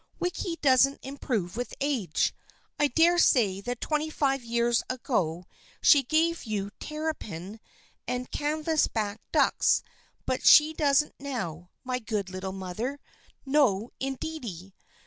" Wicky doesn't improve with age. I dare say that twenty five years ago she gave you terrapin 182 THE FRIENDSHIP OF ANNE 183 and canvas back ducks, but she doesn't now, my good little mother. No, indeedy